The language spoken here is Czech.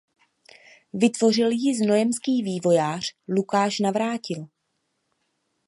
Vytvořil ji znojemský vývojář Lukáš Navrátil.